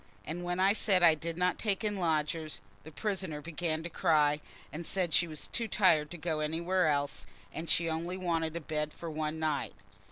And when I said I didn't take in lodgers, the prisoner began to cry, and said she was too tired to go anywhere else, and she only wanted a bed for one night.